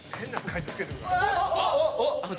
あっ！